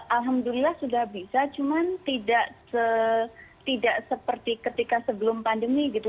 alhamdulillah sudah bisa cuma tidak seperti ketika sebelum pandemi gitu